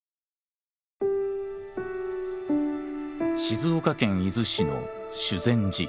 静岡県伊豆市の修善寺。